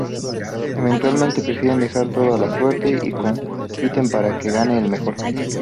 Eventualmente prefieren dejar todo a la suerte, y compiten para que gane el mejor.